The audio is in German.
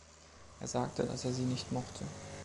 Er sagte, dass er sie nicht mochte.